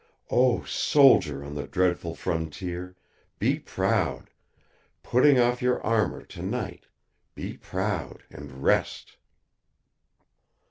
Oh, soldier on the dreadful Frontier, be proud, putting off your armor tonight! Be proud, and rest."